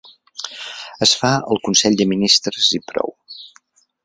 Es fa al consell de ministres i prou.